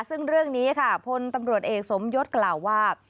ซึ่งเรื่องนี้ค่ะพลตำรวจเอกสมยศกล่าวว่า